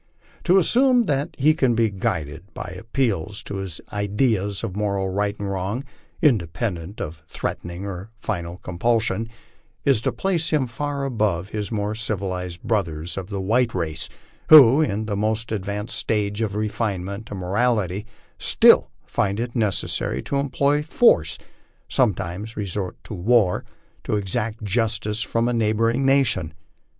To assume that he can be guided by appeals to his ideas of moral right and wrong, independent of threatening or final compulsion, is to place him far above his more civilized brothers of the white race, who, in the most advanced stage of refinement and morality, still find it necessary to employ force, sometimes resort to war, to exact justice from a neighboring nation.